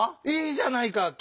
いいじゃないか。